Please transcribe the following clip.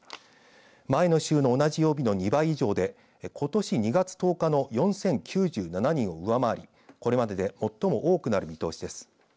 前の週の同じ曜日の２倍以上でことし２月１０日の４０９７人を上回りこれまでで最も多くなる見通しです。